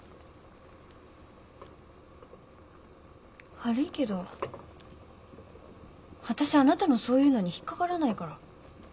悪いけどわたしあなたのそういうのにひっかからないから。